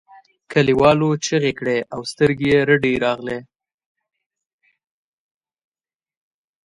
کليوالو چیغې کړې او سترګې یې رډې راغلې.